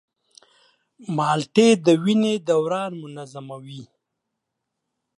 مالټې د وینې دوران منظموي.